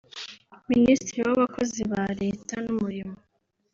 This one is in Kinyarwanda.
Minisitiri w’abakozi ba Leta n’Umurimo